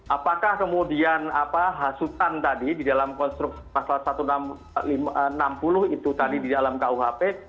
apakah kemudian hasutan tadi di dalam konstruksi pasal satu ratus enam puluh itu tadi di dalam kuhp